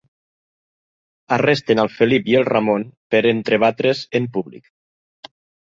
Arresten al Felip i el Ramon per entrebatre's en públic.